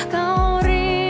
hati tak bisa mencari